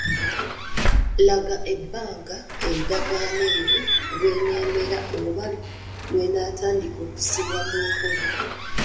Laga ebbanga endagaano eyo ly'eneemala oba lw'etandika okussibwa mu nkola.